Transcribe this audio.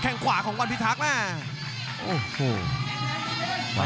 ข้างขวาของวันพิทักษ์หน้า